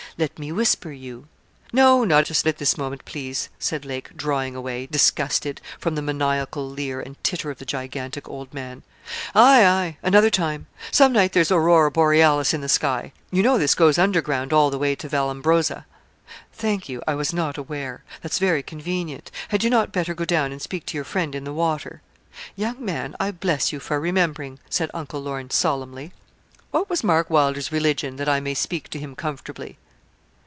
Let me whisper you.' 'No, not just at this moment, please,' said Lake, drawing away, disgusted, from the maniacal leer and titter of the gigantic old man. 'Aye, aye another time some night there's aurora borealis in the sky. You know this goes under ground all the way to Vallambrosa?' 'Thank you; I was not aware: that's very convenient. Had you not better go down and speak to your friend in the water?' 'Young man, I bless you for remembering,' said Uncle Lorne, solemnly. 'What was Mark Wylder's religion, that I may speak to him comfortably?'